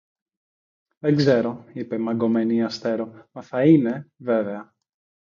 Δεν ξέρω, είπε μαγκωμένη η Αστέρω, μα θα είναι, βέβαια